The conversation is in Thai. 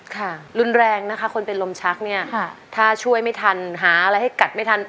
ค่ะรุนแรงนะคะคนเป็นลมชักเนี่ยค่ะถ้าช่วยไม่ทันหาอะไรให้กัดไม่ทัน